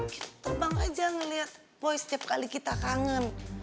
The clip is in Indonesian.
kita terbang aja ngeliat boy setiap kali kita kangen